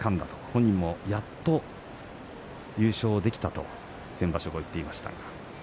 本人もやっと優勝できたと先場所後、言っていました。